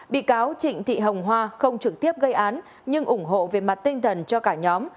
bị cáo trịnh thị hồng hoa không trực tiếp gây án nhưng ủng hộ về mặt tinh thần cho cả nhóm